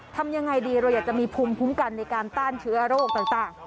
ทำยังไงดีเราอยากจะมีภูมิคุ้มกันในการต้านเชื้อโรคต่าง